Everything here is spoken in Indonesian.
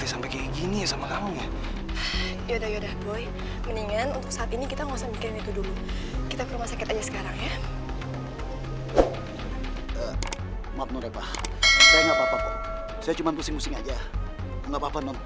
sampai jumpa di video selanjutnya